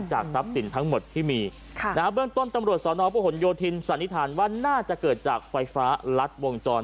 จากทรัพย์สินทั้งหมดที่มีนะครับเบื้องต้นตำรวจศพโยธินสันนิษฐานว่าน่าจะเกิดจากไฟฟ้าลัดวงจร